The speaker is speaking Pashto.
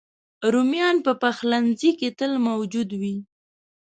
رومیان په پخلنځي کې تل موجود وي